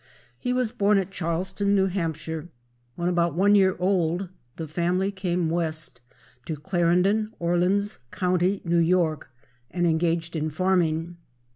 He was born at Charleston, N.H. When about one year old the family came West, to Clarendon, Orleans county, New York, and engaged in farming.